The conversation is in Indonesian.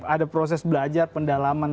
ada proses belajar pendalaman